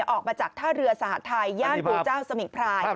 ออกมาจากท่าเรือสหทัยย่านปู่เจ้าสมิงพราย